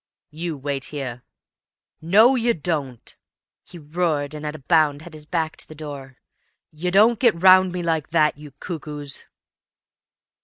"You wait here." "No, you don't," he roared, and at a bound had his back to the door. "You don't get round me like that, you cuckoos!"